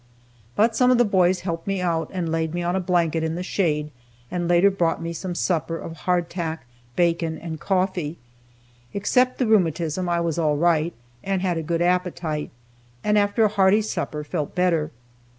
But some of the boys helped me out and laid me on my blanket in the shade, and later brought me some supper of hardtack, bacon, and coffee. Except the rheumatism, I was all right, and had a good appetite, and after a hearty supper, felt better.